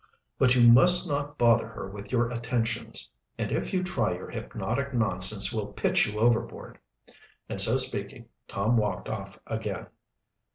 But you must not bother her with your attentions. And if you try your hypnotic nonsense we'll pitch you overboard," and so speaking, Tom walked off again.